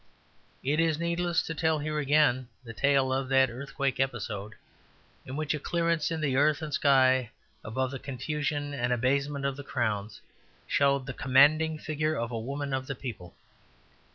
It is needless to tell here again the tale of that earthquake episode in which a clearance in the earth and sky, above the confusion and abasement of the crowns, showed the commanding figure of a woman of the people.